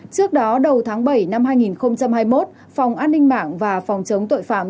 trước đó đầu tháng bảy năm hai nghìn hai mươi một phòng an ninh mạng và phòng chống tội phạm